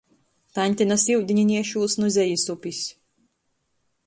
Taņte nas iudini niešūs nu Zejis upis.